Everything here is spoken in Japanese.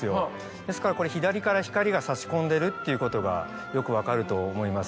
ですからこれ左から光が差し込んでるっていうことがよく分かると思います。